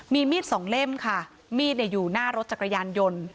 มีมีดสองเล่มค่ะมีดอยู่หน้ารถจักรยานยนต์